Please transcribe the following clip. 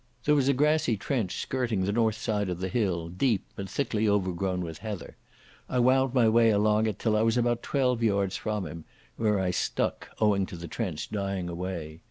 There was a grassy trench skirting the north side of the hill, deep and thickly overgrown with heather. I wound my way along it till I was about twelve yards from him, where I stuck, owing to the trench dying away.